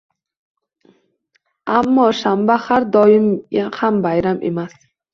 Ammo shanba har doim ham bayram emas